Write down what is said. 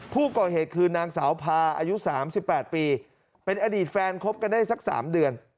ผู้ก่อเหตุคือนางสาวพาอายุ๓๘ปีเป็นอดีตแฟนคบกันได้สัก๓เดือน